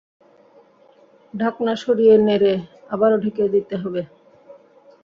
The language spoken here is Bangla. ঢাকনা সরিয়ে নেড়ে আবারও ঢেকে দিতে হবে।